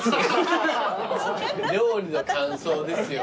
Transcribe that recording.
料理の感想ですよ。